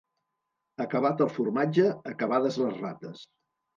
Acabat el formatge, acabades les rates.